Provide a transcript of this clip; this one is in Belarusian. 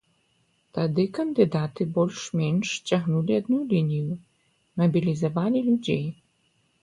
Тады кандыдаты больш-менш цягнулі адну лінію, мабілізавалі людзей.